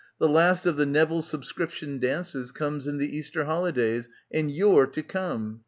The last of the Neville Sub scription Dances comes in the Easter holidays and you're to come.